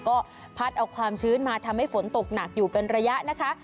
ก็พัดเอาความชื้นมาทำให้ฝนตกหนักอยู่เป็นระยะนะคะ